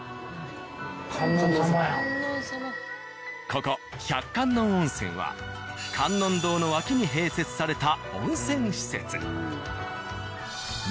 ここ百観音温泉は観音堂の脇に併設された温泉施設。